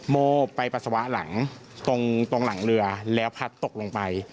โมไปปัสสาวะหลังตรงหลังเรือแล้วพัดตกลงไป